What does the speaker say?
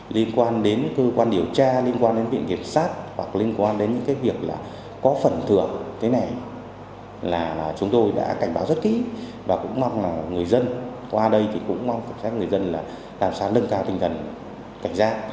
liên quan đến cơ quan điều tra liên quan đến viện kiểm soát hoặc liên quan đến những cái việc là có phần thưởng thế này là chúng tôi đã cảnh báo rất kỹ và cũng mong là người dân qua đây thì cũng mong cảnh sát người dân là làm sao nâng cao tinh thần cảnh giác